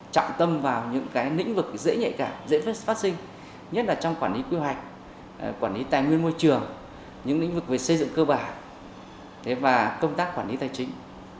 trọng tâm vào những lĩnh vực dễ nhạy cảm dễ phát sinh nhất là trong quản lý quy hoạch quản lý tài nguyên môi trường những lĩnh vực về xây dựng cơ bản và công tác quản lý tài chính